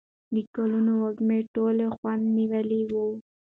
د ګلانو وږم ټوله خونه نیولې وه.